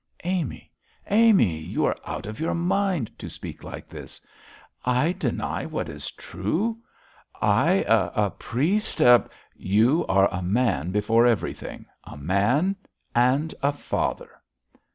'Amy! Amy! you are out of your mind to speak like this. I deny what is true? I, a priest? a ' 'You are a man before everything a man and a father.'